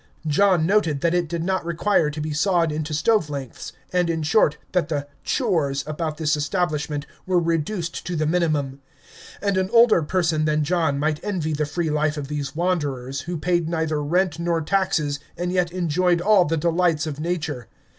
John noted that it did not require to be sawed into stove lengths; and, in short, that the "chores" about this establishment were reduced to the minimum. And an older person than John might envy the free life of these wanderers, who paid neither rent nor taxes, and yet enjoyed all the delights of nature.